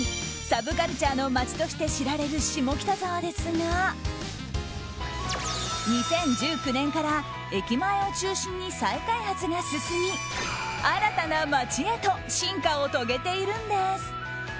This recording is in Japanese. サブカルチャーの街として知られる下北沢ですが２０１９年から駅前を中心に再開発が進み新たな街へと進化を遂げているんです。